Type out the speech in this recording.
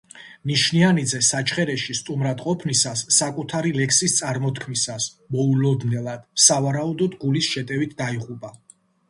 ნიშნიანიძე საჩხერეში სტუმრად ყოფნისას საკუთარი ლექსის წარმოთქმისას მოულოდნელად, სავარაუდოდ, გულის შეტევით დაიღუპა.